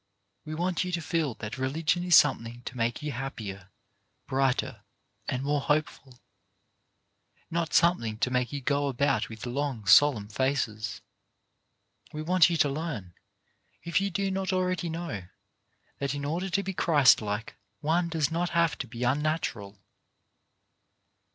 We want you to feel that religion is something to make you happier, brighter and more hopeful, not something to make you go about with long, solemn faces. We want you to learn, if you do not already know, that in order to be Christlike one does not have to be unnatural.